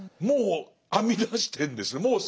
もう編み出してるんですね。